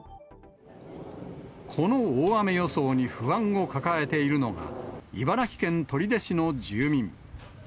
この大雨予想に不安を抱えているのが、茨城県取手市の住民。